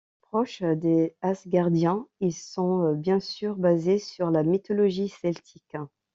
Proches des Asgardiens, ils sont bien sûr basés sur la mythologie celtique.